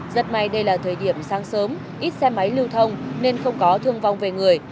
rất may đây là thời điểm sáng sớm ít xe máy lưu thông nên không có thương vong về người